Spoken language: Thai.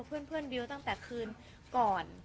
เพื่อนบิวตั้งแต่คืนก่อน